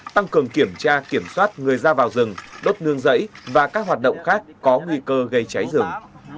tăng cường kiểm tra kiểm soát người ra vào rừng đốt nương rẫy và các hoạt động khác có nguy cơ gây cháy rừng